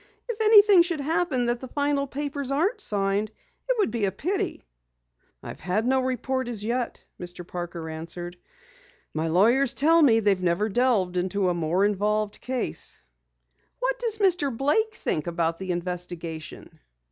"If anything should happen that the final papers aren't signed, it would be a pity." "I've had no report as yet," Mr. Parker answered. "My lawyers tell me they never delved into a more involved case." "What does Mr. Blake think about the investigation?"